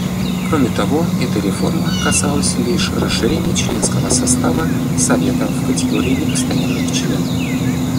Кроме того, эта реформа касалась лишь расширения членского состава Совета в категории непостоянных членов.